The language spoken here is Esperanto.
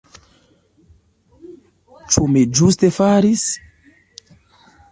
Ĉu mi ĝuste faris?